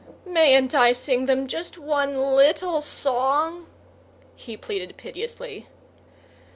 "Mayn't I sing them just one little song?" he pleaded piteously.